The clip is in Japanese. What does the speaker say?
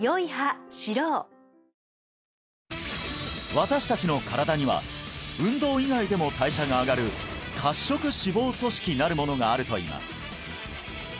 私達の身体には運動以外でも代謝が上がる褐色脂肪組織なるものがあるといいます